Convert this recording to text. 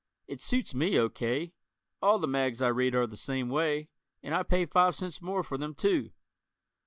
It suits me O. K. All the mags I read are the same way, and I pay five cents more for them, too!